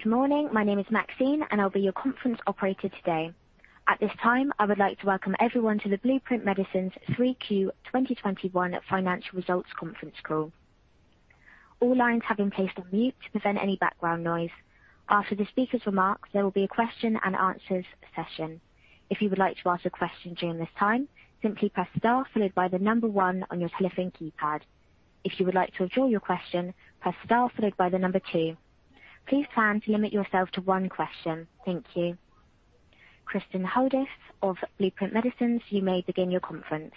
Good morning. My name is Maxine, and I'll be your conference operator today. At this time, I would like to welcome everyone to the Blueprint Medicines 3Q 2021 Financial Results Conference Call. All lines have been placed on mute to prevent any background noise. After the speaker's remarks, there will be a question and answers session. If you would like to ask a question during this time, simply press star followed by the number one on your telephone keypad. If you would like to withdraw your question, press star followed by the number two. Please plan to limit yourself to one question. Thank you. Kristin Hodous of Blueprint Medicines, you may begin your conference.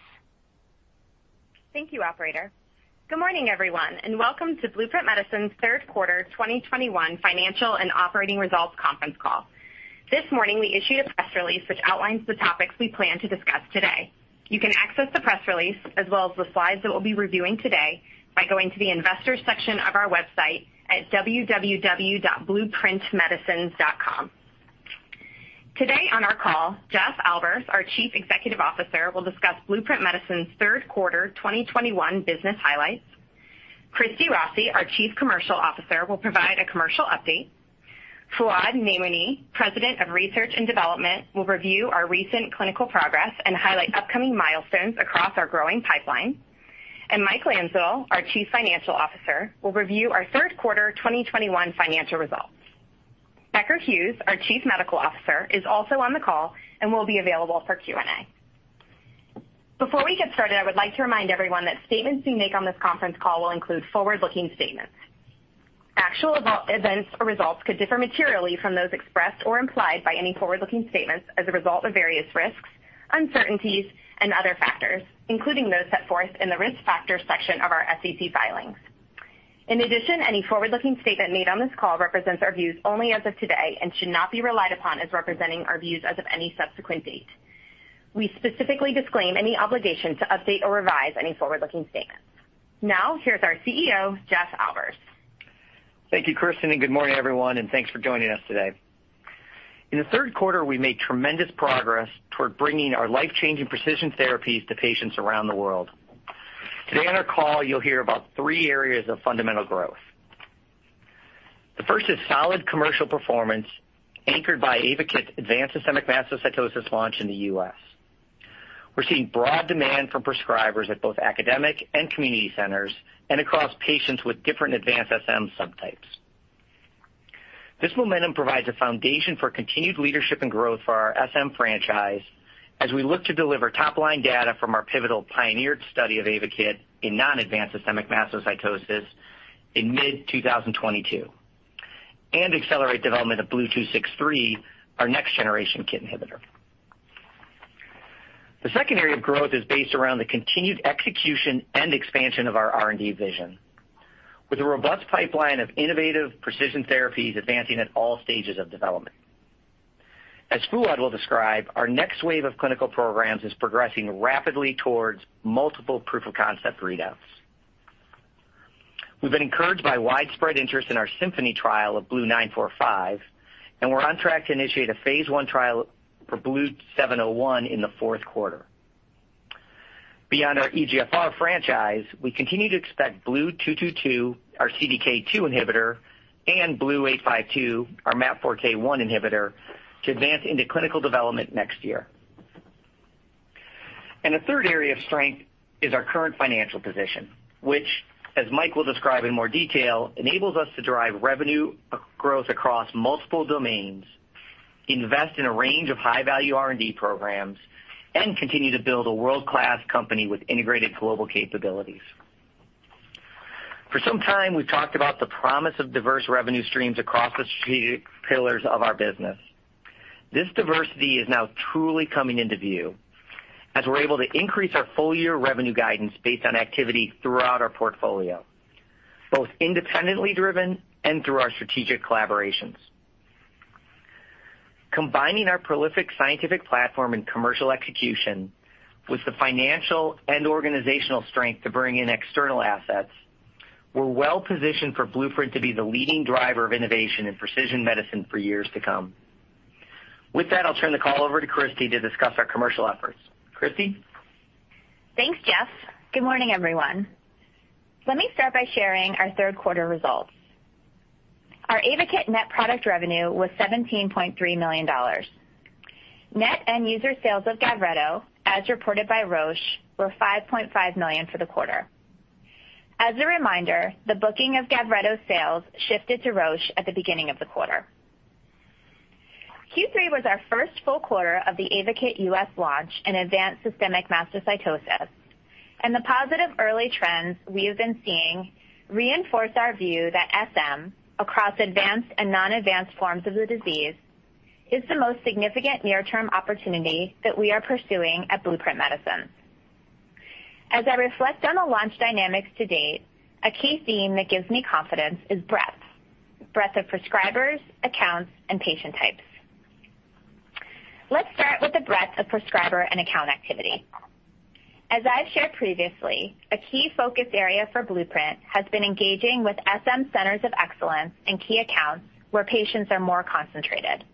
Thank you, operator. Good morning, everyone, and welcome to Blueprint Medicines' third quarter 2021 financial and operating results conference call. This morning, we issued a press release which outlines the topics we plan to discuss today. You can access the press release, as well as the slides that we'll be reviewing today by going to the Investors section of our website at www.blueprintmedicines.com. Today on our call, Jeff Albers, our Chief Executive Officer, will discuss Blueprint Medicines' third quarter 2021 business highlights. Christy Rossi, our Chief Commercial Officer, will provide a commercial update. Fouad Namouni, President of Research and Development, will review our recent clinical progress and highlight upcoming milestones across our growing pipeline. Mike Landsittel, our Chief Financial Officer, will review our third quarter 2021 financial results. Becker Hewes, our Chief Medical Officer, is also on the call and will be available for Q&A. Before we get started, I would like to remind everyone that statements we make on this conference call will include forward-looking statements. Actual events or results could differ materially from those expressed or implied by any forward-looking statements as a result of various risks, uncertainties, and other factors, including those set forth in the Risk Factors section of our SEC filings. In addition, any forward-looking statement made on this call represents our views only as of today and should not be relied upon as representing our views as of any subsequent date. We specifically disclaim any obligation to update or revise any forward-looking statements. Now, here's our CEO, Jeff Albers. Thank you, Kristen, and good morning, everyone, and thanks for joining us today. In the third quarter, we made tremendous progress toward bringing our life-changing precision therapies to patients around the world. Today on our call, you'll hear about three areas of fundamental growth. The first is solid commercial performance anchored by AYVAKIT's advanced systemic mastocytosis launch in the U.S. We're seeing broad demand from prescribers at both academic and community centers and across patients with different advanced SM subtypes. This momentum provides a foundation for continued leadership and growth for our SM franchise as we look to deliver top-line data from our pivotal PIONEER study of AYVAKIT in non-advanced systemic mastocytosis in mid-2022, and accelerate development of BLU-263, our next-generation KIT inhibitor. The second area of growth is based around the continued execution and expansion of our R&D vision, with a robust pipeline of innovative precision therapies advancing at all stages of development. As Fouad will describe, our next wave of clinical programs is progressing rapidly towards multiple proof-of-concept readouts. We've been encouraged by widespread interest in our SYMPHONY trial of BLU-945, and we're on track to initiate a phase I trial for BLU-701 in the fourth quarter. Beyond our EGFR franchise, we continue to expect BLU-222, our CDK2 inhibitor, and BLU-852, our MAP4K1 inhibitor, to advance into clinical development next year. A third area of strength is our current financial position, which, as Mike will describe in more detail, enables us to drive revenue growth across multiple domains, invest in a range of high-value R&D programs, and continue to build a world-class company with integrated global capabilities. For some time, we've talked about the promise of diverse revenue streams across the strategic pillars of our business. This diversity is now truly coming into view as we're able to increase our full-year revenue guidance based on activity throughout our portfolio, both independently driven and through our strategic collaborations. Combining our prolific scientific platform and commercial execution with the financial and organizational strength to bring in external assets, we're well-positioned for Blueprint to be the leading driver of innovation in precision medicine for years to come. With that, I'll turn the call over to Christy to discuss our commercial efforts. Christy? Thanks, Jeff. Good morning, everyone. Let me start by sharing our third quarter results. Our AYVAKIT net product revenue was $17.3 million. Net end user sales of GAVRETO, as reported by Roche, were $5.5 million for the quarter. As a reminder, the booking of GAVRETO sales shifted to Roche at the beginning of the quarter. Q3 was our first full quarter of the AYVAKIT U.S. launch in advanced systemic mastocytosis, and the positive early trends we have been seeing reinforce our view that SM, across advanced and non-advanced forms of the disease, is the most significant near-term opportunity that we are pursuing at Blueprint Medicines. As I reflect on the launch dynamics to date, a key theme that gives me confidence is breadth. Breadth of prescribers, accounts, and patient types. Let's start with the breadth of prescriber and account activity. As I've shared previously, a key focus area for Blueprint has been engaging with SM centers of excellence in key accounts where patients are more concentrated.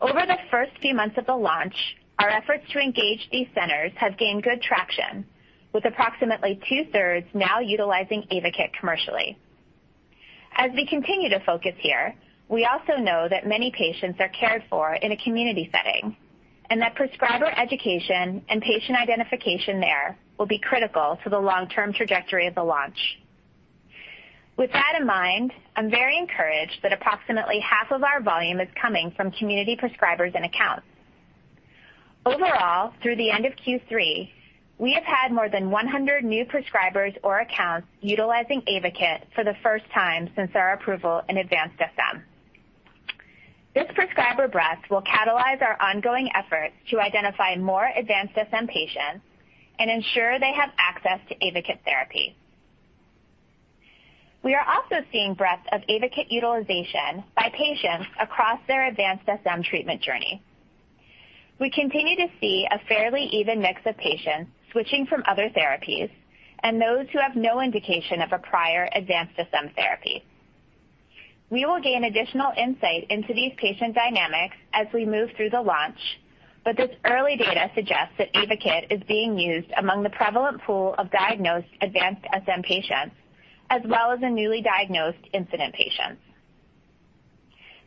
Over the first few months of the launch, our efforts to engage these centers have gained good traction, with approximately two-thirds now utilizing AYVAKIT commercially. As we continue to focus here, we also know that many patients are cared for in a community setting and that prescriber education and patient identification there will be critical to the long-term trajectory of the launch. With that in mind, I'm very encouraged that approximately half of our volume is coming from community prescribers and accounts. Overall, through the end of Q3, we have had more than 100 new prescribers or accounts utilizing AYVAKIT for the first time since our approval in advanced SM. This prescriber breadth will catalyze our ongoing efforts to identify more advanced SM patients and ensure they have access to AYVAKIT therapy. We are also seeing breadth of AYVAKIT utilization by patients across their advanced SM treatment journey. We continue to see a fairly even mix of patients switching from other therapies and those who have no indication of a prior advanced SM therapy. We will gain additional insight into these patient dynamics as we move through the launch, but this early data suggests that AYVAKIT is being used among the prevalent pool of diagnosed advanced SM patients, as well as in newly diagnosed incident patients.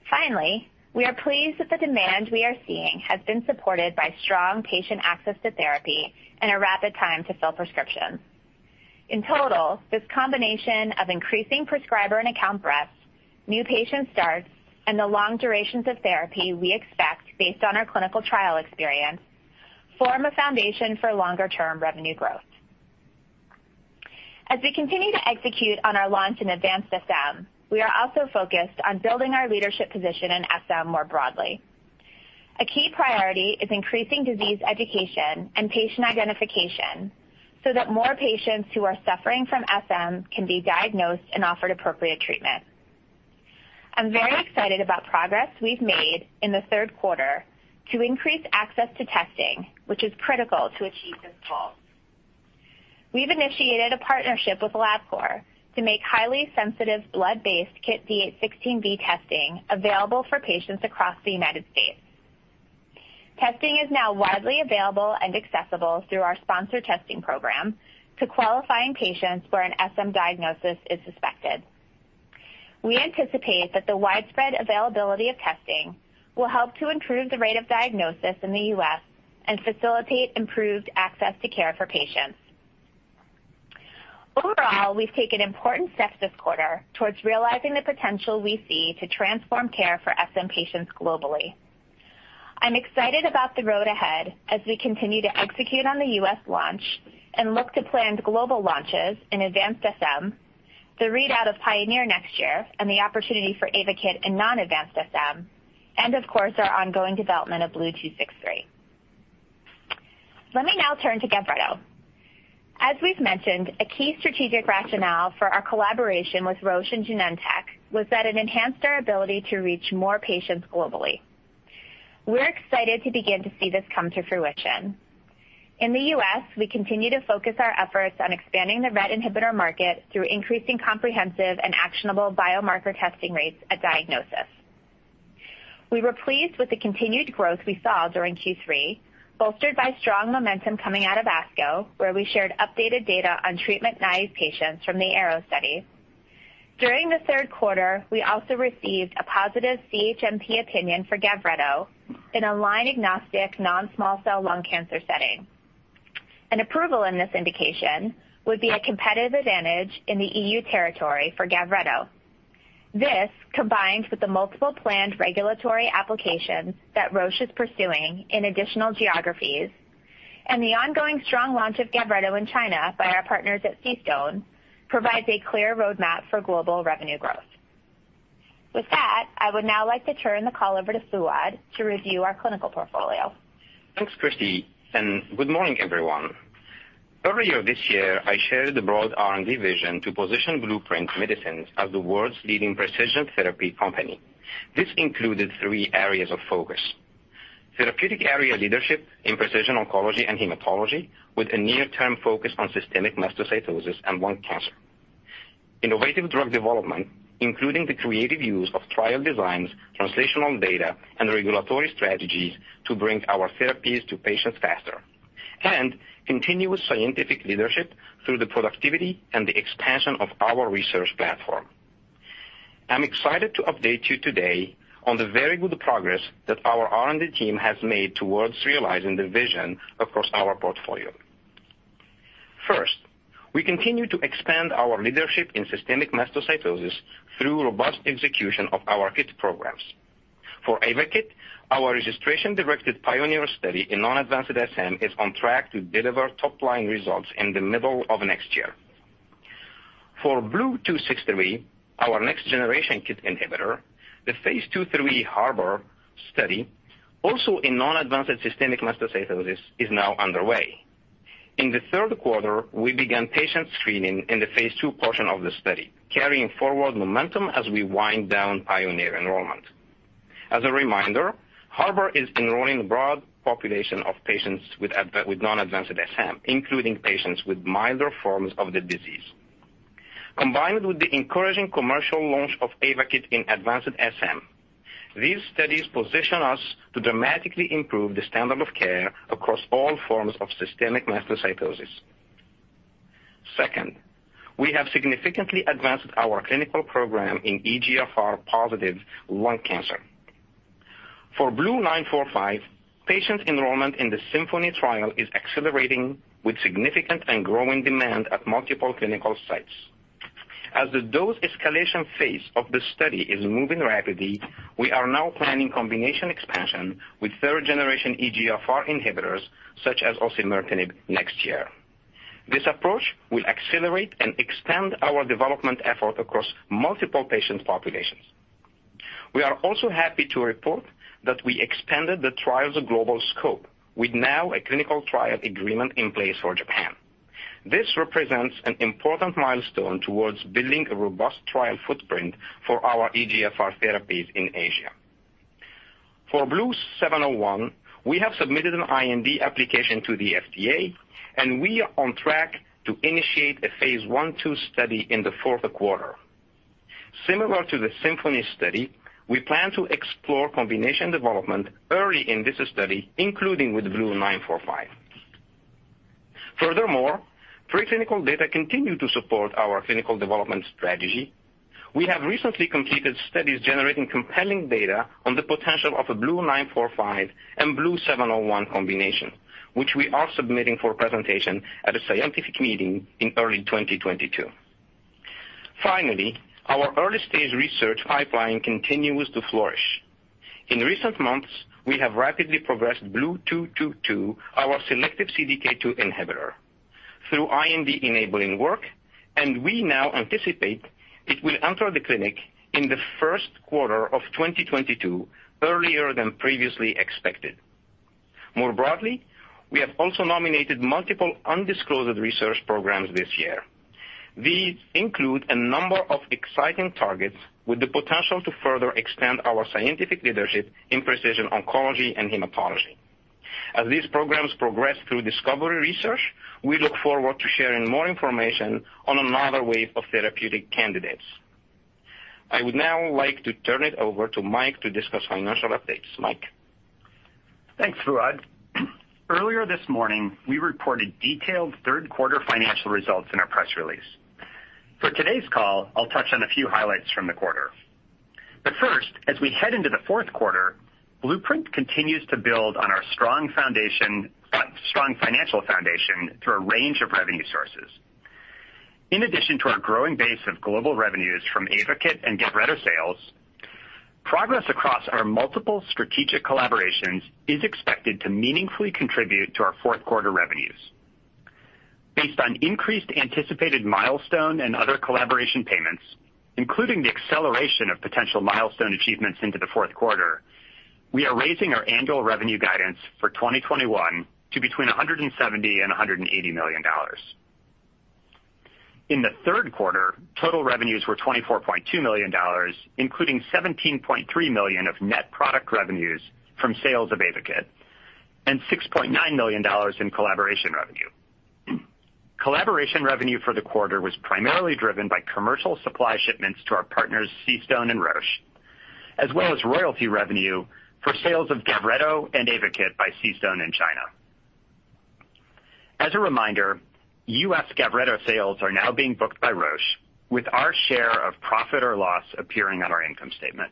Finally, we are pleased that the demand we are seeing has been supported by strong patient access to therapy and a rapid time to fill prescriptions. In total, this combination of increasing prescriber and account breadth, new patient starts, and the long durations of therapy we expect based on our clinical trial experience, form a foundation for longer-term revenue growth. As we continue to execute on our launch in advanced SM, we are also focused on building our leadership position in SM more broadly. A key priority is increasing disease education and patient identification so that more patients who are suffering from SM can be diagnosed and offered appropriate treatment. I'm very excited about progress we've made in the third quarter to increase access to testing, which is critical to achieve this goal. We've initiated a partnership with Labcorp to make highly sensitive blood-based KIT D816V testing available for patients across the United States. Testing is now widely available and accessible through our sponsored testing program to qualifying patients where an SM diagnosis is suspected. We anticipate that the widespread availability of testing will help to improve the rate of diagnosis in the U.S. and facilitate improved access to care for patients. Overall, we've taken important steps this quarter towards realizing the potential we see to transform care for SM patients globally. I'm excited about the road ahead as we continue to execute on the U.S. launch and look to planned global launches in advanced SM, the readout of PIONEER next year, and the opportunity for AYVAKIT in non-advanced SM, and of course, our ongoing development of BLU-263. Let me now turn to GAVRETO. As we've mentioned, a key strategic rationale for our collaboration with Roche and Genentech was that it enhanced our ability to reach more patients globally. We're excited to begin to see this come to fruition. In the U.S., we continue to focus our efforts on expanding the RET inhibitor market through increasing comprehensive and actionable biomarker testing rates at diagnosis. We were pleased with the continued growth we saw during Q3, bolstered by strong momentum coming out of ASCO, where we shared updated data on treatment-naïve patients from the ARROW study. During the third quarter, we also received a positive CHMP opinion for GAVRETO in a line-agnostic non-small cell lung cancer setting. An approval in this indication would be a competitive advantage in the E.U. territory for GAVRETO. This, combined with the multiple planned regulatory applications that Roche is pursuing in additional geographies and the ongoing strong launch of GAVRETO in China by our partners at CStone, provides a clear roadmap for global revenue growth. With that, I would now like to turn the call over to Fouad to review our clinical portfolio. Thanks, Christy, and good morning, everyone. Earlier this year, I shared the broad R&D vision to position Blueprint Medicines as the world's leading precision therapy company. This included three areas of focus. Therapeutic area leadership in precision oncology and hematology with a near-term focus on systemic mastocytosis and lung cancer. Innovative drug development, including the creative use of trial designs, translational data, and regulatory strategies to bring our therapies to patients faster. Continuous scientific leadership through the productivity and the expansion of our research platform. I'm excited to update you today on the very good progress that our R&D team has made towards realizing the vision across our portfolio. First, we continue to expand our leadership in systemic mastocytosis through robust execution of our KIT programs. For AYVAKIT, our registration-directed PIONEER study in non-advanced SM is on track to deliver top-line results in the middle of next year. For BLU-263, our next-generation KIT inhibitor, the phase II/III HARBOR study, also in non-advanced systemic mastocytosis, is now underway. In the third quarter, we began patient screening in the phase II portion of the study, carrying forward momentum as we wind down PIONEER enrollment. As a reminder, HARBOR is enrolling a broad population of patients with non-advanced SM, including patients with milder forms of the disease. Combined with the encouraging commercial launch of AYVAKIT in advanced SM, these studies position us to dramatically improve the standard of care across all forms of systemic mastocytosis. Second, we have significantly advanced our clinical program in EGFR-positive lung cancer. For BLU-945, patient enrollment in the SYMPHONY trial is accelerating with significant and growing demand at multiple clinical sites. As the dose escalation phase of the study is moving rapidly, we are now planning combination expansion with third-generation EGFR inhibitors such as osimertinib next year. This approach will accelerate and expand our development effort across multiple patient populations. We are also happy to report that we expanded the trial's global scope with now a clinical trial agreement in place for Japan. This represents an important milestone towards building a robust trial footprint for our EGFR therapies in Asia. For BLU-701, we have submitted an IND application to the FDA, and we are on track to initiate a phase I/II study in the fourth quarter. Similar to the SYMPHONY study, we plan to explore combination development early in this study, including with BLU-945. Furthermore, preclinical data continue to support our clinical development strategy. We have recently completed studies generating compelling data on the potential of a BLU-945 and BLU-701 combination, which we are submitting for presentation at a scientific meeting in early 2022. Finally, our early-stage research pipeline continues to flourish. In recent months, we have rapidly progressed BLU-222, our selective CDK2 inhibitor, through IND-enabling work, and we now anticipate it will enter the clinic in the first quarter of 2022, earlier than previously expected. More broadly, we have also nominated multiple undisclosed research programs this year. These include a number of exciting targets with the potential to further expand our scientific leadership in precision oncology and hematology. As these programs progress through discovery research, we look forward to sharing more information on another wave of therapeutic candidates. I would now like to turn it over to Mike to discuss financial updates. Mike. Thanks, Fouad. Earlier this morning, we reported detailed third quarter financial results in our press release. For today's call, I'll touch on a few highlights from the quarter. First, as we head into the fourth quarter, Blueprint continues to build on our strong financial foundation through a range of revenue sources. In addition to our growing base of global revenues from AYVAKIT and GAVRETO sales, progress across our multiple strategic collaborations is expected to meaningfully contribute to our fourth quarter revenues. Based on increased anticipated milestone and other collaboration payments, including the acceleration of potential milestone achievements into the fourth quarter, we are raising our annual revenue guidance for 2021 to between $170 million and $180 million. In the third quarter, total revenues were $24.2 million, including $17.3 million of net product revenues from sales of AYVAKIT and $6.9 million in collaboration revenue. Collaboration revenue for the quarter was primarily driven by commercial supply shipments to our partners, CStone and Roche, as well as royalty revenue for sales of GAVRETO and AYVAKIT by CStone in China. As a reminder, U.S. GAVRETO sales are now being booked by Roche, with our share of profit or loss appearing on our income statement.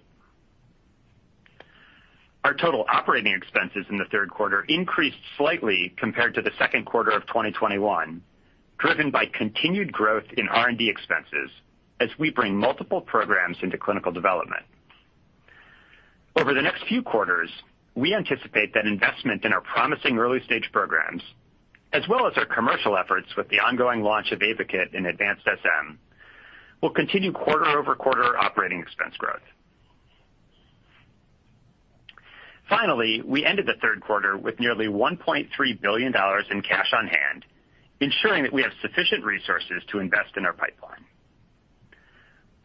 Our total operating expenses in the third quarter increased slightly compared to the second quarter of 2021, driven by continued growth in R&D expenses as we bring multiple programs into clinical development. Over the next few quarters, we anticipate that investment in our promising early-stage programs, as well as our commercial efforts with the ongoing launch of AYVAKIT in advanced SM, will continue quarter-over-quarter operating expense growth. Finally, we ended the third quarter with nearly $1.3 billion in cash on hand, ensuring that we have sufficient resources to invest in our pipeline.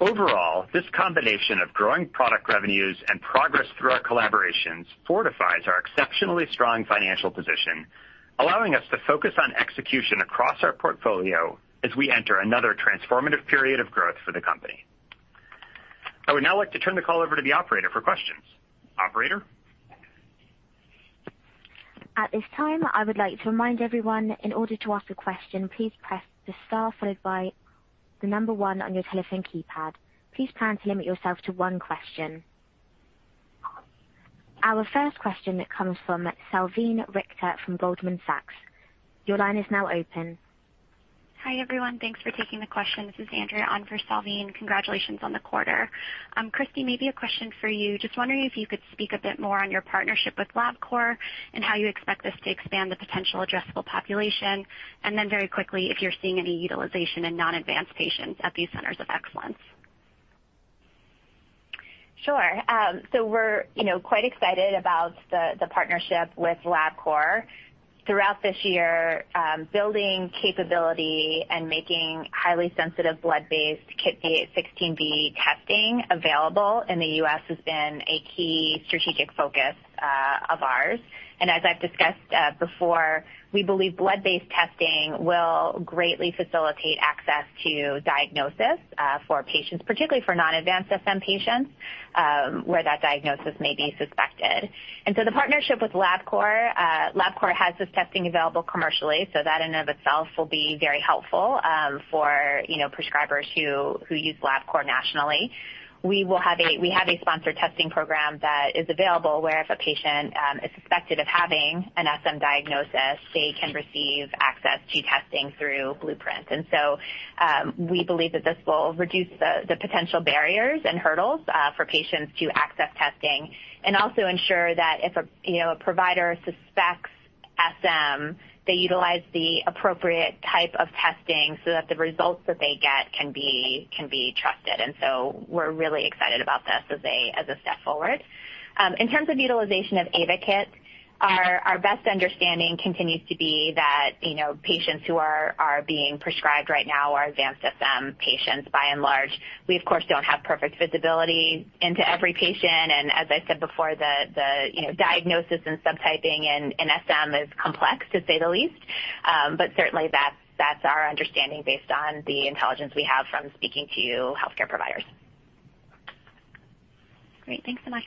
Overall, this combination of growing product revenues and progress through our collaborations fortifies our exceptionally strong financial position, allowing us to focus on execution across our portfolio as we enter another transformative period of growth for the company. I would now like to turn the call over to the operator for questions. Operator? At this time, I would like to remind everyone, in order to ask a question, please press the star followed by one on your telephone keypad. Please plan to limit yourself to one question. Our first question comes from Salveen Richter from Goldman Sachs. Your line is now open. Hi, everyone. Thanks for taking the question. This is Andrea on for Salveen. Congratulations on the quarter. Christy, maybe a question for you. Just wondering if you could speak a bit more on your partnership with Labcorp and how you expect this to expand the potential addressable population. Very quickly, if you're seeing any utilization in non-advanced patients at these centers of excellence. Sure. We're, you know, quite excited about the partnership with Labcorp. Throughout this year, building capability and making highly sensitive blood-based KIT D816V testing available in the U.S. has been a key strategic focus of ours. As I've discussed before, we believe blood-based testing will greatly facilitate access to diagnosis for patients, particularly for non-advanced SM patients, where that diagnosis may be suspected. The partnership with Labcorp has this testing available commercially, so that in and of itself will be very helpful for, you know, prescribers who use Labcorp nationally. We have a sponsored testing program that is available, where if a patient is suspected of having an SM diagnosis, they can receive access to testing through Blueprint. We believe that this will reduce the potential barriers and hurdles for patients to access testing and also ensure that if a, you know, a provider suspects SM, they utilize the appropriate type of testing so that the results that they get can be trusted. We're really excited about this as a step forward. In terms of utilization of AYVAKIT, our best understanding continues to be that, you know, patients who are being prescribed right now are advanced SM patients by and large. We, of course, don't have perfect visibility into every patient, and as I said before, the, you know, diagnosis and subtyping in SM is complex to say the least. But certainly that's our understanding based on the intelligence we have from speaking to healthcare providers. Great. Thanks so much.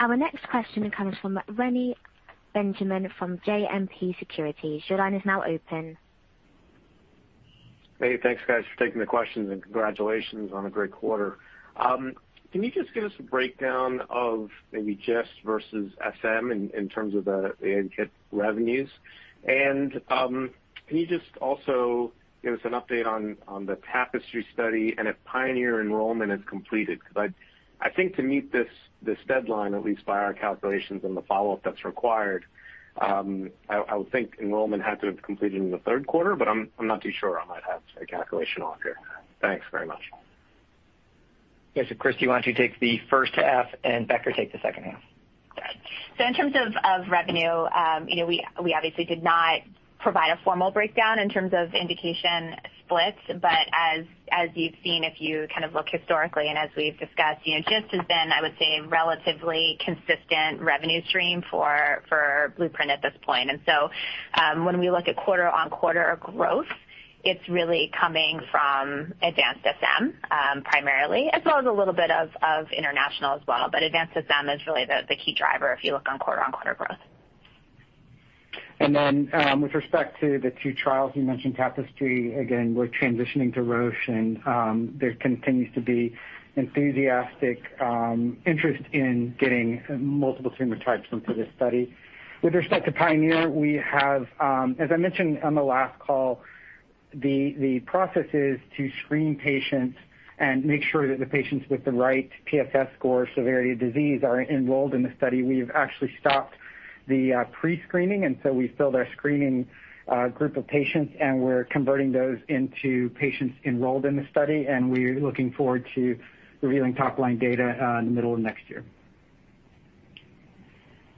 Our next question comes from Reni Benjamin from JMP Securities. Your line is now open. Hey, thanks guys for taking the questions and congratulations on a great quarter. Can you just give us a breakdown of maybe GIST versus SM in terms of the AYVAKIT revenues? And can you just also give us an update on the Tapestry study and if PIONEER enrollment is completed? Because I think to meet this deadline, at least by our calculations and the follow-up that's required, I would think enrollment had to have completed in the third quarter, but I'm not too sure. I might have my calculation off here. Thanks very much. Yes. Christy, why don't you take the first half and Becker take the second half. In terms of revenue, you know, we obviously did not provide a formal breakdown in terms of indication splits, but as you've seen, if you kind of look historically and as we've discussed, you know, GIST has been, I would say, a relatively consistent revenue stream for Blueprint at this point. When we look at quarter-over-quarter growth, it's really coming from advanced SM primarily as well as a little bit of international as well. Advanced SM is really the key driver if you look at quarter-over-quarter growth. With respect to the two trials, you mentioned Tapestry, again, we're transitioning to Roche, and there continues to be enthusiastic interest in getting multiple tumor types into this study. With respect to PIONEER, we have, as I mentioned on the last call, the process is to screen patients and make sure that the patients with the right TSS score severity of disease are enrolled in the study. We've actually stopped the pre-screening, and so we filled our screening group of patients, and we're converting those into patients enrolled in the study, and we're looking forward to revealing top-line data in the middle of next year.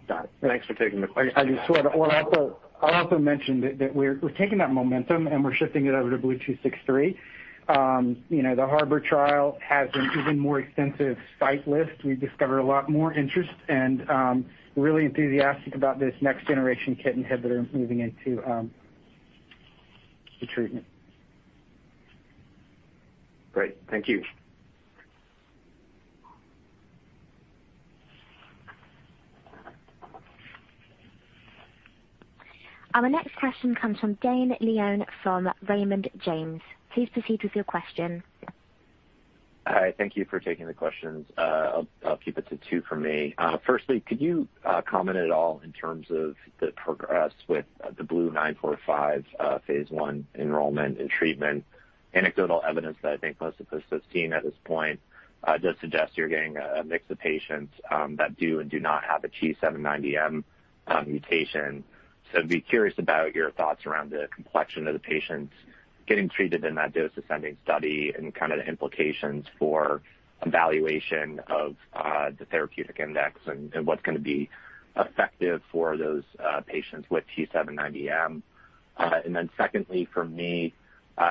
Got it. Thanks for taking the questions. I'll also mention that we're taking that momentum and we're shifting it over to BLU-263. You know, the HARBOR trial has an even more extensive site list. We've discovered a lot more interest and really enthusiastic about this next generation KIT inhibitor moving into the treatment. Great. Thank you. Our next question comes from Dane Leone from Raymond James. Please proceed with your question. Hi. Thank you for taking the questions. I'll keep it to two for me. Firstly, could you comment at all in terms of the progress with the BLU-945 phase I enrollment and treatment? Anecdotal evidence that I think most of us have seen at this point does suggest you're getting a mix of patients that do and do not have a T790M mutation. I'd be curious about your thoughts around the complexion of the patients getting treated in that dose ascending study and kind of the implications for evaluation of the therapeutic index and what's gonna be effective for those patients with T790M. And then secondly for me,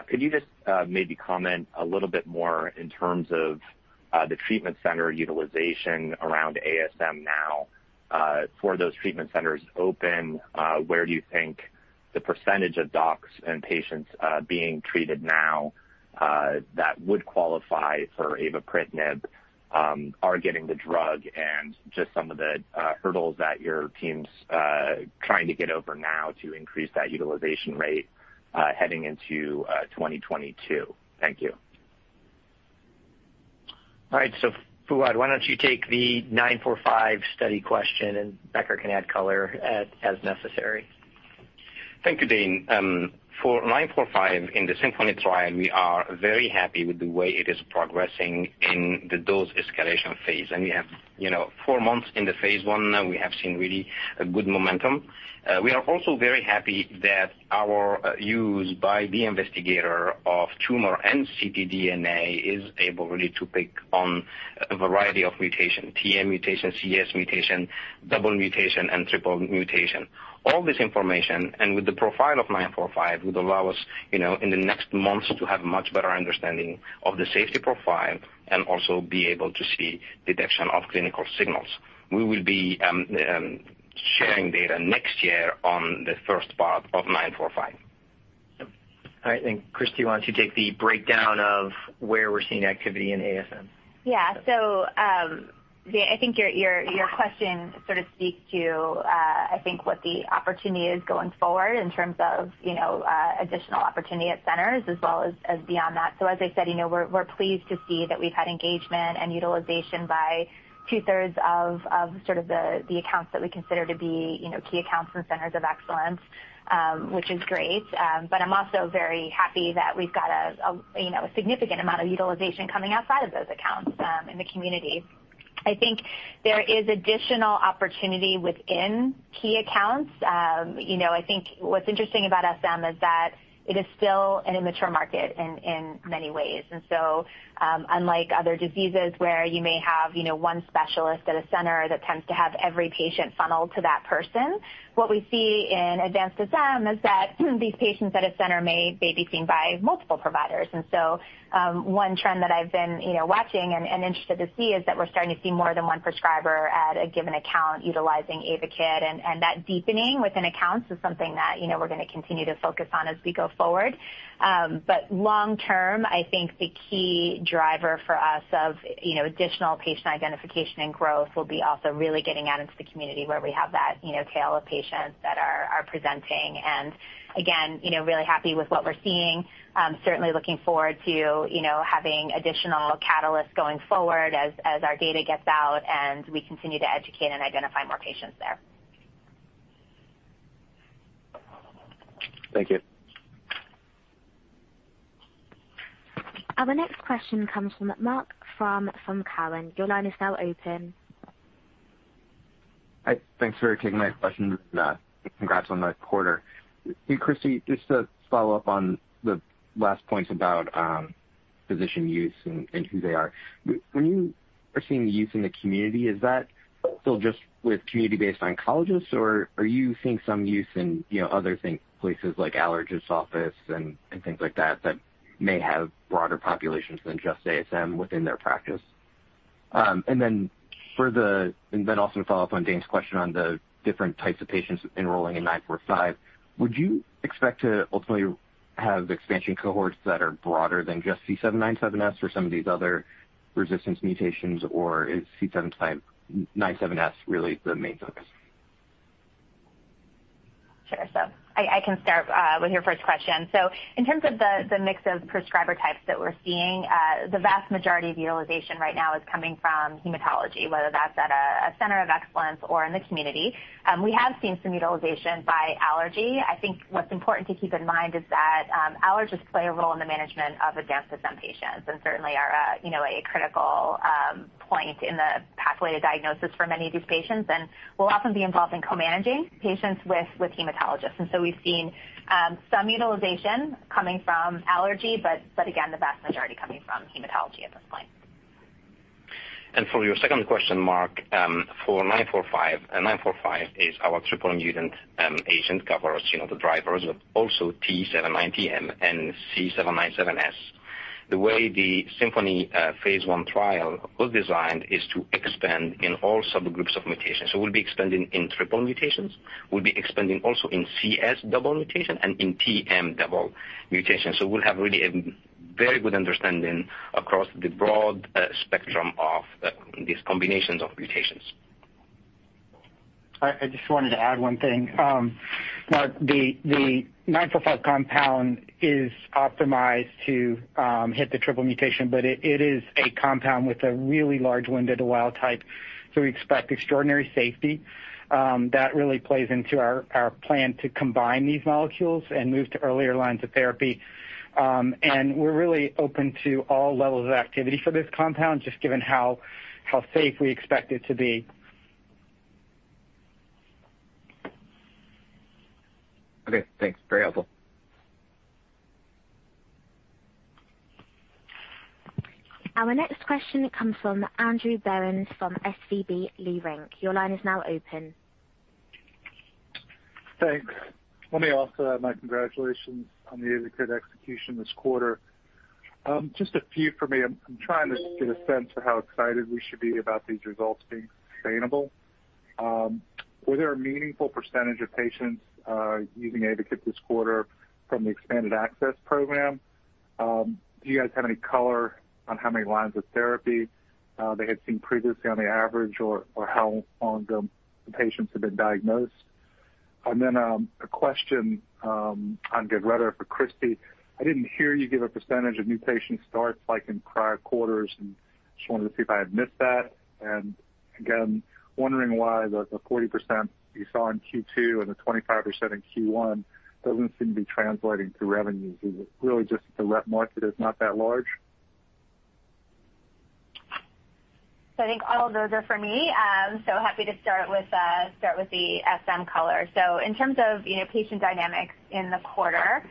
could you just maybe comment a little bit more in terms of the treatment center utilization around ASM now? For those treatment centers open, where do you think the percentage of docs and patients being treated now that would qualify for avapritinib are getting the drug? Just some of the hurdles that your team's trying to get over now to increase that utilization rate heading into 2022. Thank you. All right. Fouad, why don't you take the 945 study question, and Becker can add color as necessary. Thank you, Dane. For BLU-945 in the SYMPHONY trial, we are very happy with the way it is progressing in the dose escalation phase. We have, you know, four-months into phase I, we have seen really a good momentum. We are also very happy that our use by the investigator of tumor and ctDNA is able really to pick up on a variety of mutation, T790M mutation, C797S mutation, double mutation, and triple mutation. All this information, and with the profile of BLU-945, would allow us, you know, in the next months to have much better understanding of the safety profile and also be able to see detection of clinical signals. We will be sharing data next year on the first part of BLU-945. All right. Christy, why don't you take the breakdown of where we're seeing activity in ASM? Yeah. Yeah, I think your question sort of speaks to, I think what the opportunity is going forward in terms of, you know, additional opportunity at centers as well as beyond that. As I said, you know, we're pleased to see that we've had engagement and utilization by two-thirds of sort of the accounts that we consider to be, you know, key accounts and centers of excellence, which is great. I'm also very happy that we've got you know, a significant amount of utilization coming outside of those accounts, in the community. I think there is additional opportunity within key accounts. You know, I think what's interesting about ASM is that it is still an immature market in many ways. Unlike other diseases where you may have, you know, one specialist at a center that tends to have every patient funneled to that person, what we see in advanced ASM is that these patients at a center may be seen by multiple providers. One trend that I've been, you know, watching and interested to see is that we're starting to see more than one prescriber at a given account utilizing AYVAKIT. That deepening within accounts is something that, you know, we're gonna continue to focus on as we go forward. But long term, I think the key driver for us of, you know, additional patient identification and growth will be also really getting out into the community where we have that, you know, tail of patients that are presenting. Again, you know, really happy with what we're seeing. Certainly looking forward to, you know, having additional catalysts going forward as our data gets out and we continue to educate and identify more patients there. Thank you. Our next question comes from Marc Frahm from Cowen. Your line is now open. Hi. Thanks for taking my questions, and, congrats on the quarter. Hey, Christy, just to follow up on the last points about, physician use and who they are. When you are seeing use in the community, is that still just with community-based oncologists or are you seeing some use in other things, places like allergist's office and things like that may have broader populations than just ASM within their practice? To follow up on Dane's question on the different types of patients enrolling in 945, would you expect to ultimately have expansion cohorts that are broader than just C797S for some of these other resistance mutations, or is C797S really the main focus? Sure. I can start with your first question. In terms of the mix of prescriber types that we're seeing, the vast majority of utilization right now is coming from hematology, whether that's at a center of excellence or in the community. We have seen some utilization by allergy. I think what's important to keep in mind is that allergists play a role in the management of advanced ASM patients and certainly are a you know a critical point in the pathway to diagnosis for many of these patients and will often be involved in co-managing patients with hematologists. We've seen some utilization coming from allergy, but again, the vast majority coming from hematology at this point. For your second question, Mark, for 945 is our triple mutant agent, covers you know the drivers, but also T790M and C797S. The way the SYMPHONY phase I trial was designed is to expand in all subgroups of mutations. We'll be expanding in triple mutations. We'll be expanding also in C797S double mutation and in T790M double mutation. We'll have really a very good understanding across the broad spectrum of these combinations of mutations. I just wanted to add one thing. Marc, the 945 compound is optimized to hit the triple mutation, but it is a compound with a really large window to wild type, so we expect extraordinary safety. That really plays into our plan to combine these molecules and move to earlier lines of therapy. We're really open to all levels of activity for this compound, just given how safe we expect it to be. Okay, thanks. Very helpful. Our next question comes from Andrew Berens from SVB Leerink. Your line is now open. Thanks. Let me also add my congratulations on the AYVAKIT execution this quarter. Just a few for me. I'm trying to get a sense of how excited we should be about these results being sustainable. Were there a meaningful percentage of patients using AYVAKIT this quarter from the expanded access program? Do you guys have any color on how many lines of therapy they had seen previously on the average or how long the patients have been diagnosed? A question on GAVRETO for Christy. I didn't hear you give a percentage of new patient starts like in prior quarters. Just wanted to see if I had missed that. Again, wondering why the 40% you saw in Q2 and the 25% in Q1 doesn't seem to be translating to revenue. Is it really just the RET market is not that large? I think all of those are for me. Happy to start with the SM color. In terms of, you know, patient dynamics in the quarter,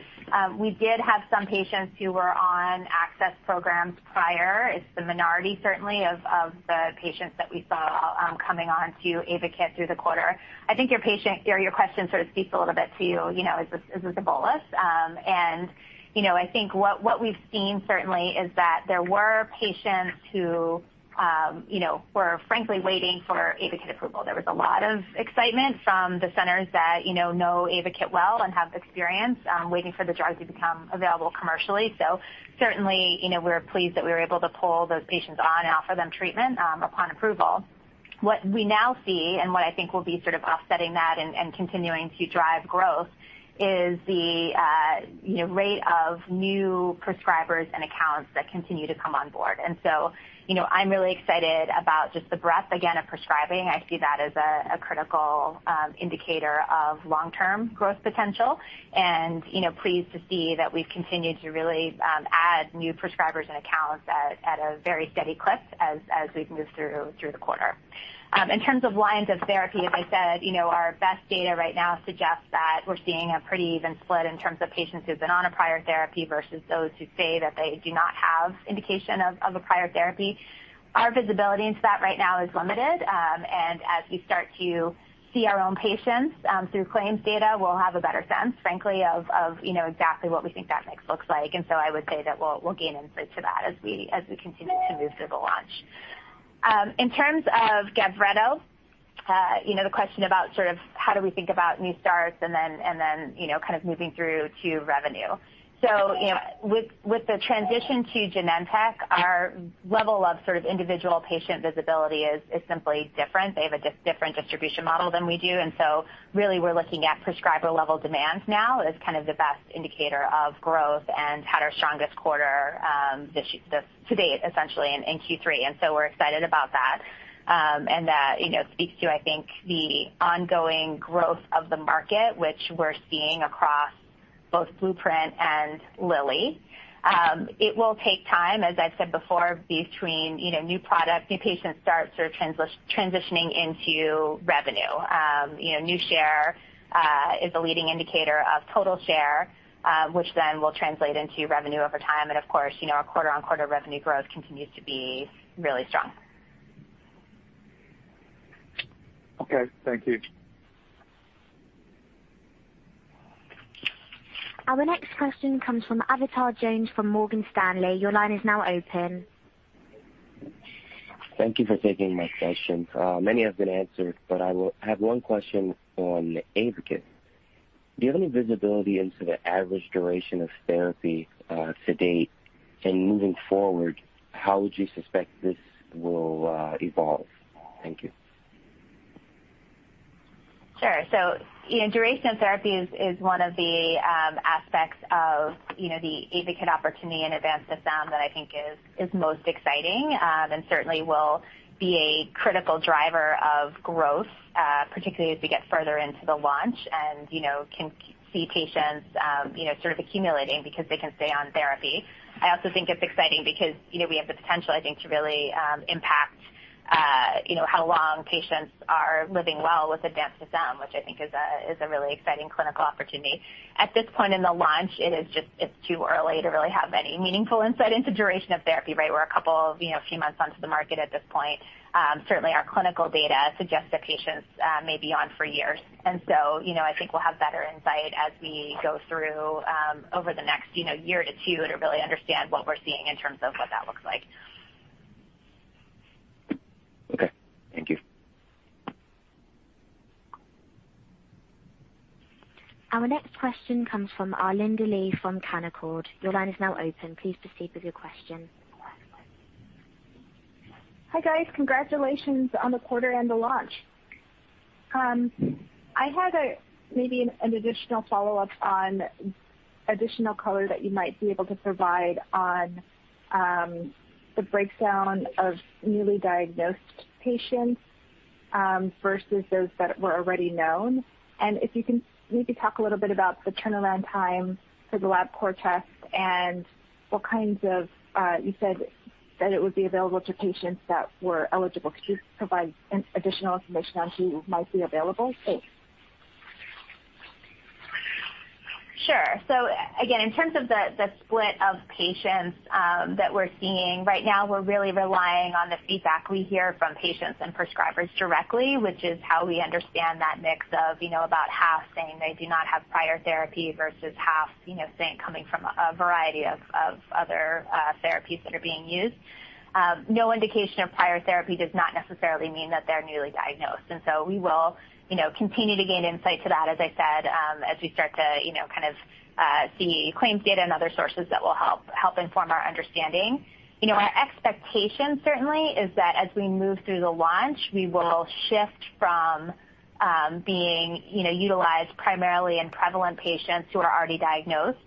we did have some patients who were on access programs prior. It's the minority, certainly, of the patients that we saw, coming on to AYVAKIT through the quarter. I think your patient or your question sort of speaks a little bit to, you know, is this a bolus? And, you know, I think what we've seen certainly is that there were patients who, you know, were frankly waiting for AYVAKIT approval. There was a lot of excitement from the centers that, you know AYVAKIT well and have experience, waiting for the drug to become available commercially. Certainly, you know, we're pleased that we were able to pull those patients on and offer them treatment upon approval. What we now see and what I think will be sort of offsetting that and continuing to drive growth is the, you know, rate of new prescribers and accounts that continue to come on board. You know, I'm really excited about just the breadth, again, of prescribing. I see that as a critical indicator of long-term growth potential and, you know, pleased to see that we've continued to really add new prescribers and accounts at a very steady clip as we've moved through the quarter. In terms of lines of therapy, as I said, you know, our best data right now suggests that we're seeing a pretty even split in terms of patients who've been on a prior therapy versus those who say that they do not have indication of a prior therapy. Our visibility into that right now is limited, and as we start to see our own patients through claims data, we'll have a better sense, frankly, of you know, exactly what we think that mix looks like. I would say that we'll gain insight to that as we continue to move through the launch. In terms of GAVRETO, you know, the question about sort of how do we think about new starts and then, you know, kind of moving through to revenue. You know, with the transition to Genentech, our level of sort of individual patient visibility is simply different. They have a different distribution model than we do, and really we're looking at prescriber-level demand now as kind of the best indicator of growth and had our strongest quarter this year to date, essentially in Q3. We're excited about that. That, you know, speaks to, I think, the ongoing growth of the market, which we're seeing across both Blueprint and Lilly. It will take time, as I've said before, between, you know, new product, new patient starts sort of transitioning into revenue. You know, new share is a leading indicator of total share, which then will translate into revenue over time. Of course, you know, our quarter-on-quarter revenue growth continues to be really strong. Okay. Thank you. Our next question comes from Avatar Jones from Morgan Stanley. Your line is now open. Thank you for taking my question. Many have been answered, I have one question on AYVAKIT. Do you have any visibility into the average duration of therapy to date? And moving forward, how would you suspect this will evolve? Thank you. Sure. You know, duration of therapy is one of the aspects of you know, the AYVAKIT opportunity in advanced SM that I think is most exciting, and certainly will be a critical driver of growth, particularly as we get further into the launch and, you know, can see patients, you know, sort of accumulating because they can stay on therapy. I also think it's exciting because, you know, we have the potential, I think, to really impact you know, how long patients are living well with advanced SM, which I think is a really exciting clinical opportunity. At this point in the launch, it is just too early to really have any meaningful insight into duration of therapy, right? We're a couple of, you know, few months onto the market at this point. Certainly our clinical data suggests that patients may be on for years. You know, I think we'll have better insight as we go through over the next, you know, year or two to really understand what we're seeing in terms of what that looks like. Okay. Thank you. Our next question comes from Arlinda Lee from Canaccord. Your line is now open. Please proceed with your question. Hi, guys. Congratulations on the quarter and the launch. I had a maybe an additional follow-up on additional color that you might be able to provide on the breakdown of newly diagnosed patients versus those that were already known. If you can maybe talk a little bit about the turnaround time for the Labcorp tests and what kinds of you said that it would be available to patients that were eligible. Could you provide additional information on who might be eligible? Thanks. Sure. Again, in terms of the split of patients that we're seeing right now, we're really relying on the feedback we hear from patients and prescribers directly, which is how we understand that mix of, you know, about half saying they do not have prior therapy versus half, you know, saying coming from a variety of other therapies that are being used. No indication of prior therapy does not necessarily mean that they're newly diagnosed. We will, you know, continue to gain insight to that, as I said, as we start to, you know, kind of see claims data and other sources that will help inform our understanding. You know, our expectation certainly is that as we move through the launch, we will shift from being, you know, utilized primarily in prevalent patients who are already diagnosed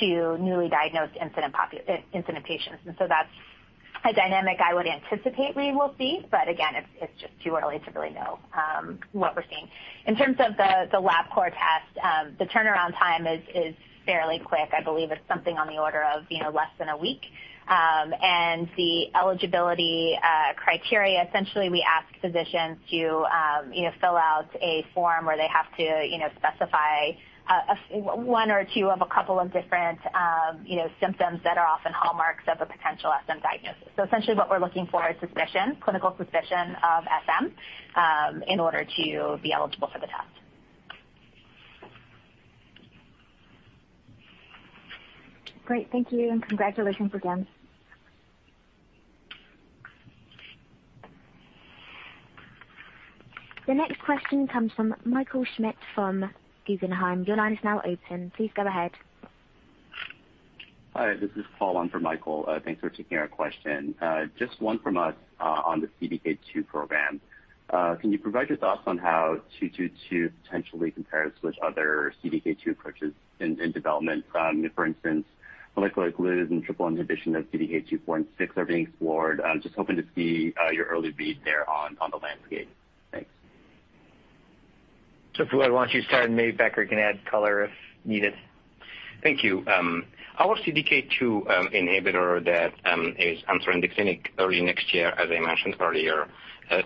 to newly diagnosed incident patients. That's a dynamic I would anticipate we will see, but again, it's just too early to really know what we're seeing. In terms of the Labcorp test, the turnaround time is fairly quick. I believe it's something on the order of, you know, less than a week. And the eligibility criteria, essentially, we ask physicians to fill out a form where they have to specify one or two of a couple of different symptoms that are often hallmarks of a potential SM diagnosis. Essentially, what we're looking for is suspicion, clinical suspicion of SM, in order to be eligible for the test. Great. Thank you, and congratulations again. The next question comes from Michael Schmidt from Guggenheim. Your line is now open. Please go ahead. Hi, this is Paul on for Michael. Thanks for taking our question. Just one from us on the CDK2 program. Can you provide your thoughts on how BLU-222 potentially compares with other CDK2 approaches in development? For instance, molecular glues and triple inhibition of CDK 2, 4, and 6 are being explored. Just hoping to see your early read there on the landscape. Thanks. Fouad, why don't you start, and maybe Becker can add color if needed. Thank you. Our CDK2 inhibitor that is entering the clinic early next year, as I mentioned earlier,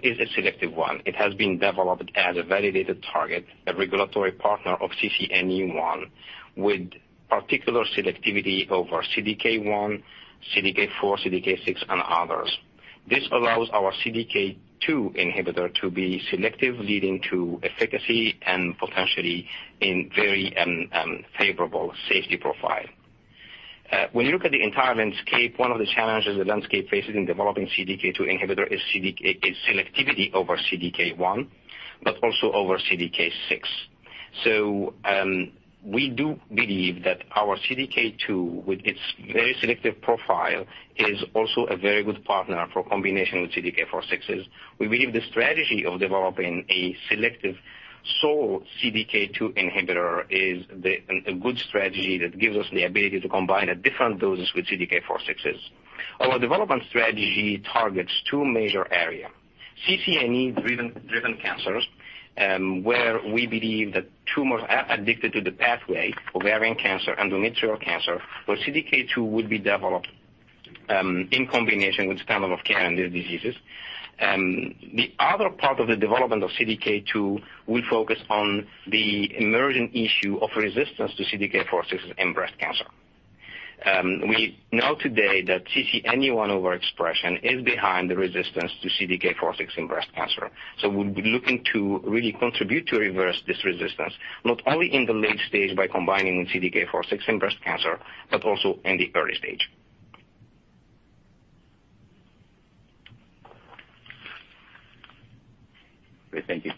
is a selective one. It has been developed as a validated target, a regulatory partner of CCNE1, with particular selectivity over CDK1, CDK4, CDK6, and others. This allows our CDK2 inhibitor to be selective, leading to efficacy and potentially in very favorable safety profile. When you look at the entire landscape, one of the challenges the landscape faces in developing CDK2 inhibitor is CDK selectivity over CDK1, but also over CDK6. We do believe that our CDK2, with its very selective profile, is also a very good partner for combination with CDK4/6s. We believe the strategy of developing a selective sole CDK2 inhibitor is a good strategy that gives us the ability to combine at different doses with CDK4/6s. Our development strategy targets two major areas, CCNE1-driven cancers, where we believe that tumors are addicted to the pathway, ovarian cancer, endometrial cancer, where CDK2 would be developed in combination with standard of care in their diseases. The other part of the development of CDK2 will focus on the emerging issue of resistance to CDK4/6 in breast cancer. We know today that CCNE1 overexpression is behind the resistance to CDK4/6 in breast cancer. We'll be looking to really contribute to reverse this resistance, not only in the late stage by combining CDK4/6 in breast cancer, but also in the early stage. Great. Thank you.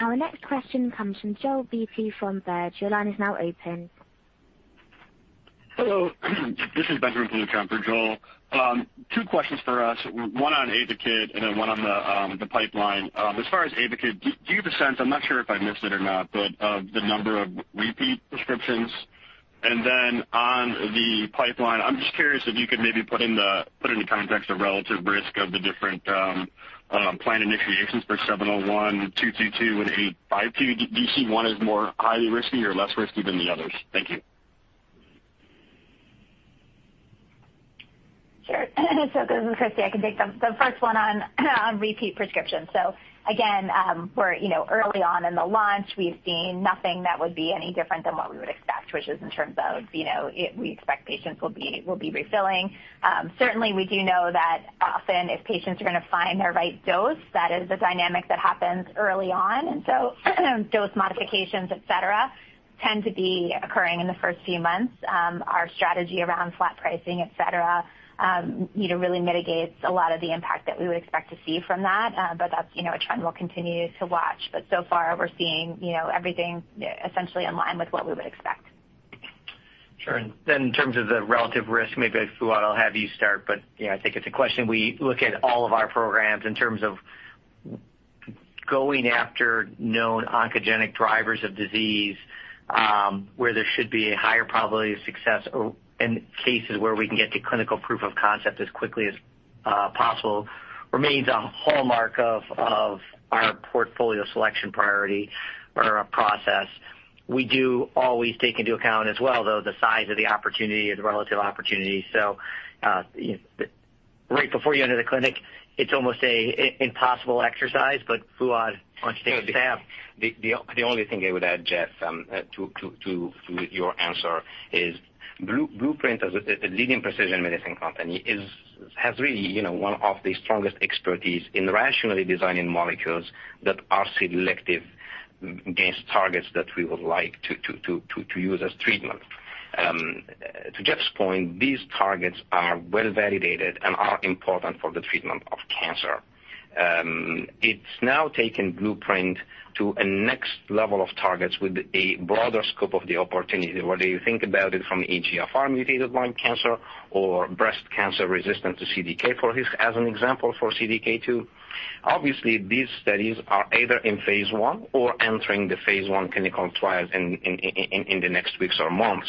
Our next question comes from Joel Beatty from Baird. Your line is now open. Hello. This is Benjamin Trupp for Joel. Two questions for us, one on AYVAKIT and then one on the pipeline. As far as AYVAKIT, do you have a sense? I'm not sure if I missed it or not, but the number of repeat prescriptions? And then on the pipeline, I'm just curious if you could maybe put in the context of relative risk of the different plan initiations for BLU-701, BLU-222 and BLU-852. Do you see one as more highly risky or less risky than the others? Thank you. Sure. This is Christy, I can take them. The first one on repeat prescriptions. Again, we're you know early on in the launch, we've seen nothing that would be any different than what we would expect, which is in terms of, you know, we expect patients will be refilling. Certainly, we do know that often if patients are gonna find their right dose, that is a dynamic that happens early on. Dose modifications, et cetera, tend to be occurring in the first few months. Our strategy around flat pricing, et cetera, you know, really mitigates a lot of the impact that we would expect to see from that. That's you know a trend we'll continue to watch. So far, we're seeing you know everything essentially in line with what we would expect. Sure. In terms of the relative risk, maybe, Fouad, I'll have you start, but, you know, I think it's a question we look at all of our programs in terms of going after known oncogenic drivers of disease, where there should be a higher probability of success or in cases where we can get to clinical proof of concept as quickly as possible, remains a hallmark of our portfolio selection priority or our process. We do always take into account as well, though, the size of the opportunity or the relative opportunity. Right before you enter the clinic, it's almost an impossible exercise, but Fouad, why don't you take a stab? The only thing I would add, Jeff, to your answer is Blueprint as a leading precision medicine company has really, you know, one of the strongest expertise in rationally designing molecules that are selective against targets that we would like to use as treatment. To Jeff's point, these targets are well-validated and are important for the treatment of cancer. It's now taken Blueprint to a next level of targets with a broader scope of the opportunity, whether you think about it from EGFR mutated lung cancer or breast cancer resistant to CDK4/6 as an example for CDK2. Obviously, these studies are either in phase I or entering the phase I clinical trials in the next weeks or months.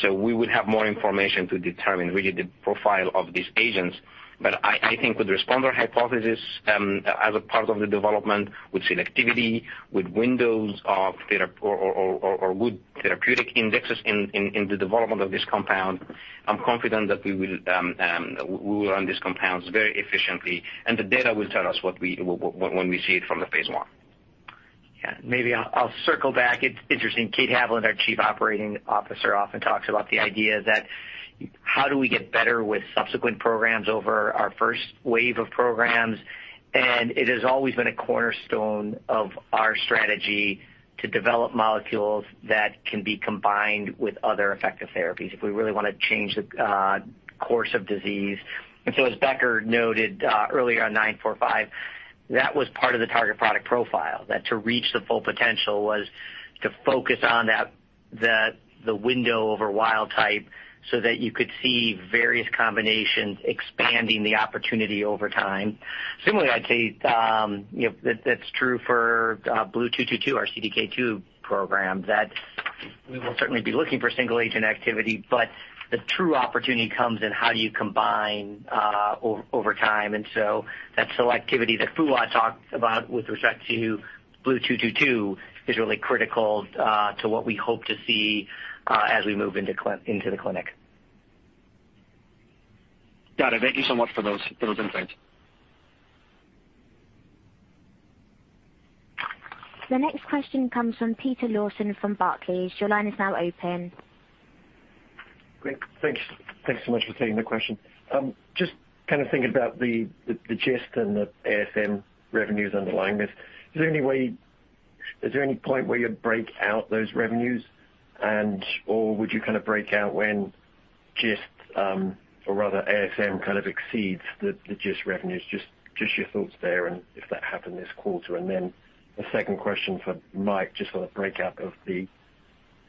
So we would have more information to determine really the profile of these agents. I think with responder hypothesis as a part of the development, with selectivity, with windows of therapeutic indexes in the development of this compound. I'm confident that we will run these compounds very efficiently, and the data will tell us what when we see it from the phase I. Yeah. Maybe I'll circle back. It's interesting, Kate Haviland, our Chief Operating Officer, often talks about the idea that how do we get better with subsequent programs over our first wave of programs? It has always been a cornerstone of our strategy to develop molecules that can be combined with other effective therapies if we really wanna change the course of disease. As Becker noted earlier on BLU-945, that was part of the target product profile, that to reach the full potential was to focus on that, the window over wild type so that you could see various combinations expanding the opportunity over time. Similarly, I'd say, you know, that's true for BLU-222, our CDK2 program, that we will certainly be looking for single agent activity, but the true opportunity comes in how do you combine over time. That selectivity that Fouad talked about with respect to BLU-222 is really critical to what we hope to see as we move into the clinic. Got it. Thank you so much for those insights. The next question comes from Peter Lawson from Barclays. Your line is now open. Great. Thanks. Thanks so much for taking the question. Just kind of thinking about the GIST and the ASM revenues underlying this, is there any point where you break out those revenues and/or would you kind of break out when GIST, or rather ASM kind of exceeds the GIST revenues? Just your thoughts there and if that happened this quarter. A second question for Mike, just on a breakout of the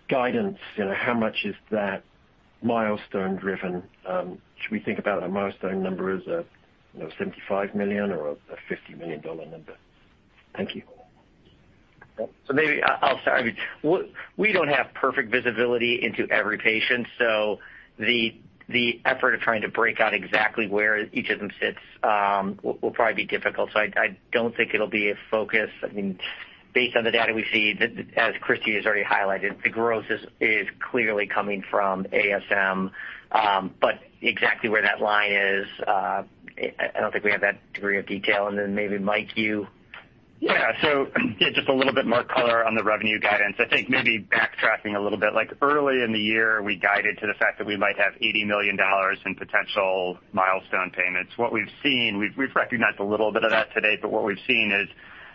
guidance. You know, how much is that milestone driven? Should we think about that milestone number as a $75 million or a $50 million number? Thank you. Maybe I'll start. We don't have perfect visibility into every patient, so the effort of trying to break out exactly where each of them sits will probably be difficult. I don't think it'll be a focus. I mean, based on the data we see, that as Christy has already highlighted, the growth is clearly coming from ASM. Exactly where that line is, I don't think we have that degree of detail. Maybe, Mike, you... Yeah. Just a little bit more color on the revenue guidance. I think maybe backtracking a little bit, like early in the year, we guided to the fact that we might have $80 million in potential milestone payments. What we've seen, we've recognized a little bit of that today, but what we've seen is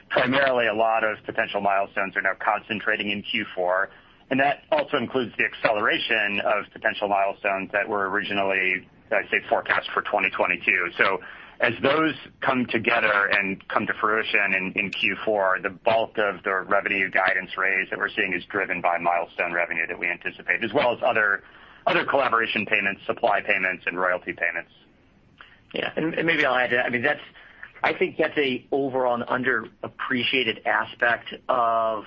primarily a lot of potential milestones are now concentrating in Q4, and that also includes the acceleration of potential milestones that were originally, I'd say, forecast for 2022. As those come together and come to fruition in Q4, the bulk of the revenue guidance raise that we're seeing is driven by milestone revenue that we anticipate, as well as other collaboration payments, supply payments, and royalty payments. Yeah. Maybe I'll add to that. I mean, that's. I think that's an overall underappreciated aspect of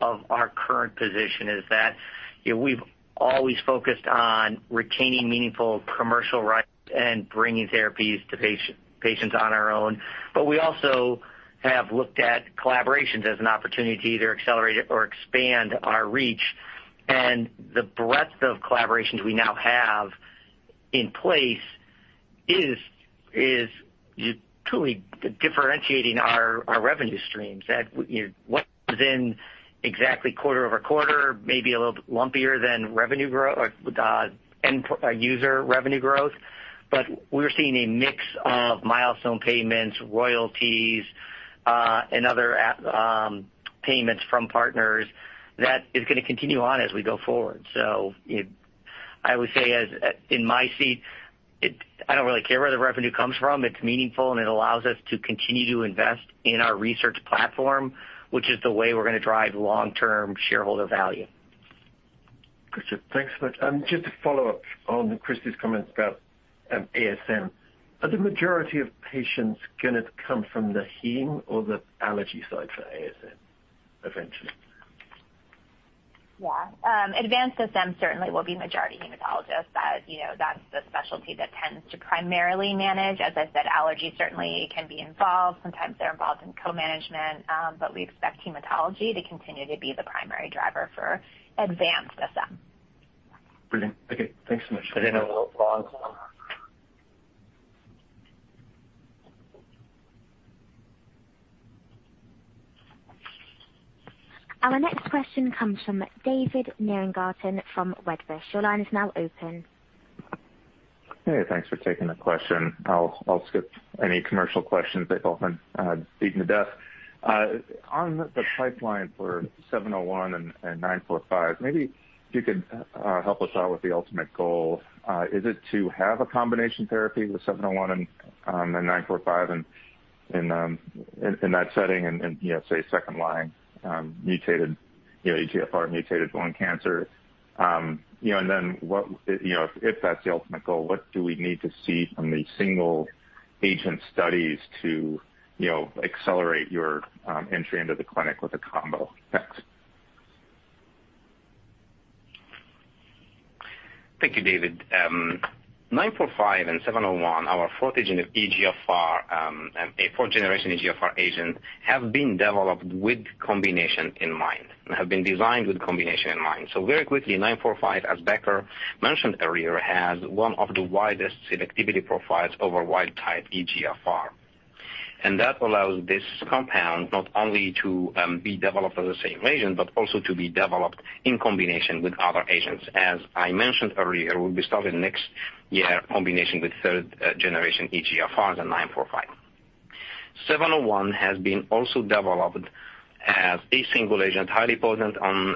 our current position, is that, you know, we've always focused on retaining meaningful commercial rights and bringing therapies to patients on our own. We also have looked at collaborations as an opportunity to either accelerate or expand our reach. The breadth of collaborations we now have in place is truly differentiating our revenue streams. That, you know, what is in exactly quarter-over-quarter may be a little bit lumpier than revenue growth or end-user revenue growth. We're seeing a mix of milestone payments, royalties, and other payments from partners that is gonna continue on as we go forward. You know, I would say as in my seat, it. I don't really care where the revenue comes from. It's meaningful, and it allows us to continue to invest in our research platform, which is the way we're gonna drive long-term shareholder value. Gotcha. Thanks so much. Just to follow up on Christy's comments about ASM. Are the majority of patients gonna come from the heme or the allergy side for ASM eventually? Yeah. Advanced ASM certainly will be majority hematologists. That, you know, that's the specialty that tends to primarily manage. As I said, allergy certainly can be involved. Sometimes they're involved in co-management, but we expect hematology to continue to be the primary driver for advanced ASM. Brilliant. Okay, thanks so much. Our next question comes from David Nierengarten from Wedbush. Your line is now open. Hey, thanks for taking the question. I'll skip any commercial questions. They've often been beaten to death. On the pipeline for 701 and 945, maybe if you could help us out with the ultimate goal. Is it to have a combination therapy with 701 and 945 in that setting and, you know, say second-line, you know, EGFR mutated lung cancer. You know, and then what, you know, if that's the ultimate goal, what do we need to see from the single agent studies to, you know, accelerate your entry into the clinic with a combo? Thanks. Thank you, David. 945 and 701, our fourth-gen EGFR, a fourth-generation EGFR agent, have been developed with combination in mind and have been designed with combination in mind. Very quickly, 945, as Becker mentioned earlier, has one of the widest selectivity profiles over wild-type EGFR. That allows this compound not only to be developed as a single agent, but also to be developed in combination with other agents. As I mentioned earlier, we'll be starting next year combination with third-generation EGFRs and 945. 701 has also been developed as a single agent, highly potent on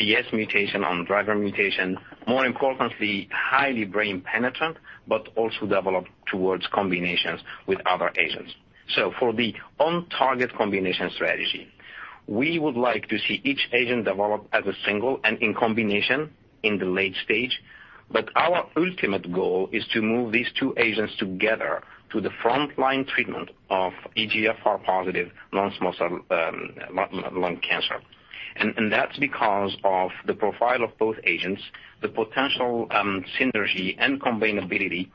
C797S mutation, on driver mutation, more importantly, highly brain-penetrant, but also developed towards combinations with other agents. For the on-target combination strategy, we would like to see each agent develop as a single and in combination in the late stage. Our ultimate goal is to move these two agents together to the front line treatment of EGFR-positive non-small cell lung cancer. That's because of the profile of both agents, the potential synergy and combinability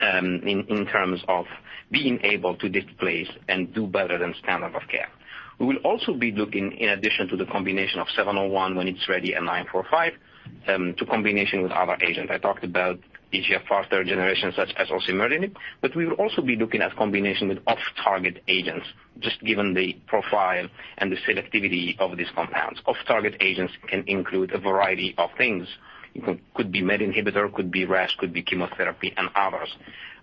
in terms of being able to displace and do better than standard of care. We will also be looking, in addition to the combination of 701 when it's ready and 945, to combination with other agents. I talked about third-generation EGFR such as osimertinib, but we will also be looking at combination with off-target agents, just given the profile and the selectivity of these compounds. Off-target agents can include a variety of things. Could be MET inhibitor, could be RAS, could be chemotherapy, and others.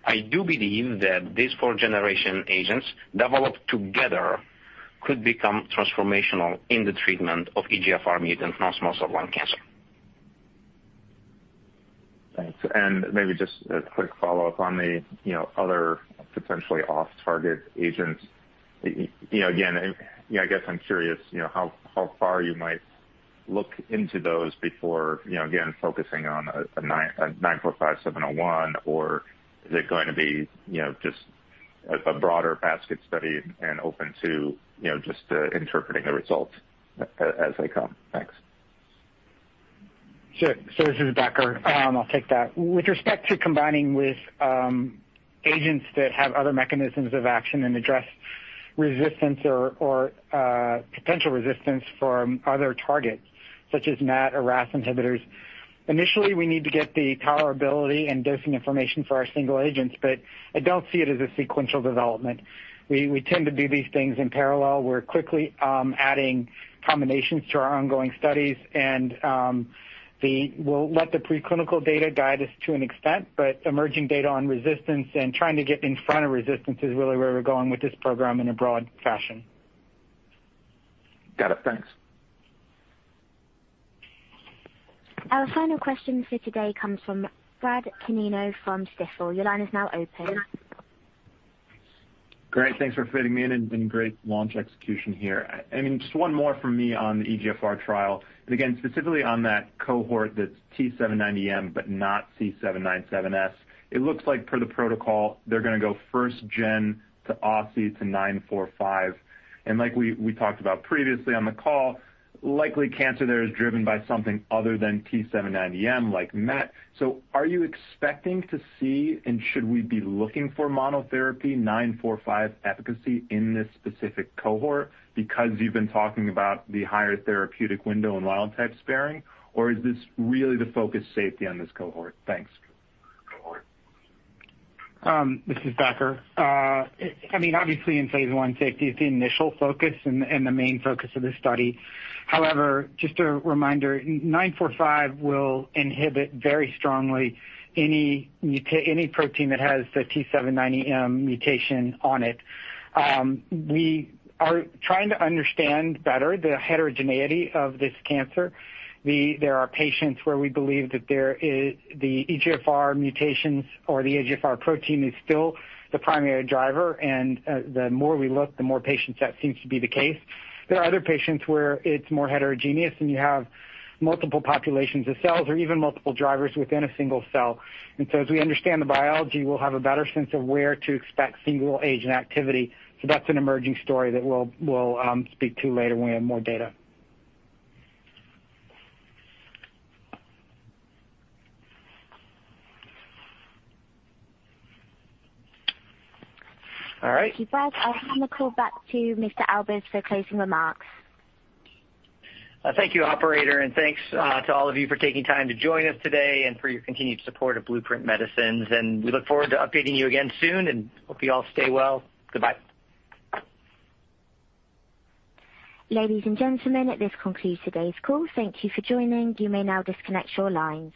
I do believe that these fourth-generation agents developed together could become transformational in the treatment of EGFR-mutant non-small cell lung cancer. Thanks. Maybe just a quick follow-up on the, you know, other potentially off-target agents. You know, again, you know, I guess I'm curious, you know, how far you might look into those before, you know, again, focusing on a 945, 701, or is it going to be, you know, just a broader basket study and open to, you know, just interpreting the results as they come? Thanks. Sure. This is Becker. I'll take that. With respect to combining with agents that have other mechanisms of action and address resistance or potential resistance from other targets, such as MET or RAS inhibitors. Initially, we need to get the tolerability and dosing information for our single agents, but I don't see it as a sequential development. We tend to do these things in parallel. We're quickly adding combinations to our ongoing studies and we'll let the preclinical data guide us to an extent, but emerging data on resistance and trying to get in front of resistance is really where we're going with this program in a broad fashion. Got it. Thanks. Our final question for today comes from Brad Canino from Stifel. Your line is now open. Great. Thanks for fitting me in and great launch execution here. I mean, just one more from me on the EGFR trial. Again, specifically on that cohort that's T790M, but not C797S. It looks like per the protocol, they're gonna go first-gen to osimertinib to BLU-945. Like we talked about previously on the call, likely cancer there is driven by something other than T790M, like MET. Are you expecting to see, and should we be looking for monotherapy BLU-945 efficacy in this specific cohort because you've been talking about the higher therapeutic window and wild-type sparing, or is this really the focused safety on this cohort? Thanks. This is Becker. I mean, obviously in phase I safety, it's the initial focus and the main focus of this study. However, just a reminder, BLU-945 will inhibit very strongly any protein that has the T790M mutation on it. We are trying to understand better the heterogeneity of this cancer. There are patients where we believe that the EGFR mutations or the EGFR protein is still the primary driver, and the more we look, the more patients that seems to be the case. There are other patients where it's more heterogeneous, and you have multiple populations of cells or even multiple drivers within a single cell. As we understand the biology, we'll have a better sense of where to expect single agent activity. That's an emerging story that we'll speak to later when we have more data. All right. Thank you, Brad. I'll hand the call back to Mr. Albers for closing remarks. Thank you, operator, and thanks to all of you for taking time to join us today and for your continued support of Blueprint Medicines. We look forward to updating you again soon and hope you all stay well. Goodbye. Ladies and gentlemen, this concludes today's call. Thank you for joining. You may now disconnect your lines.